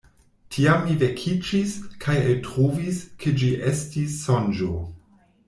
Tiam mi vekiĝis, kaj eltrovis, ke ĝi estis sonĝo.